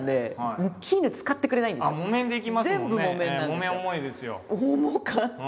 木綿重いですよ。